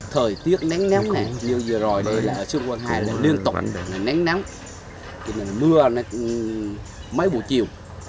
thời tiết nắng nắng chiều giờ rồi ở xuân quang hai liên tục nắng nắng mưa mấy buổi chiều